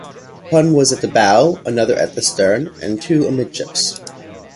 One was at the bow, another at the stern, and two amidships.